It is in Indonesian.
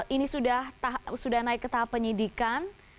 ini sudah naik ke tahap penyidikan